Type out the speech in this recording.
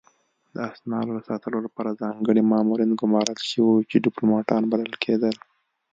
د اسنادو د ساتلو لپاره ځانګړي مامورین ګمارل شوي وو چې ډیپلوماتان بلل کېدل